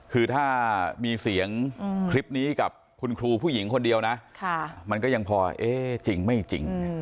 คือถ้ามีเสียงคลิปนี้กับคุณครูผู้หญิงคนเดียวนะมันก็ยังพอเอ๊ะจริงไม่จริง